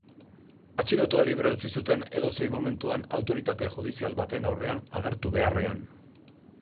Atxilotua libre utzi zuten edozein momentuan autoritate judizial baten aurrean agertu beharrean.